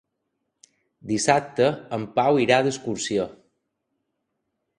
Dissabte en Pau irà d'excursió.